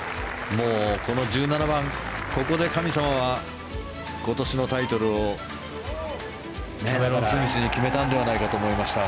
この１７番ここで神様は今年のタイトルをキャメロン・スミスに決めたんじゃないかと思いました。